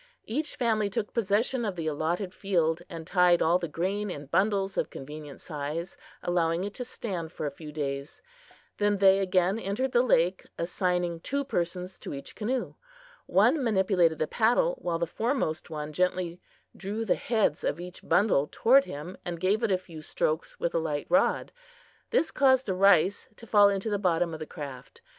Each family took possession of the allotted field, and tied all the grain in bundles of convenient size, allowing it to stand for a few days. Then they again entered the lake, assigning two persons to each canoe. One manipulated the paddle, while the foremost one gently drew the heads of each bundle toward him and gave it a few strokes with a light rod. This caused the rice to fall into the bottom of the craft.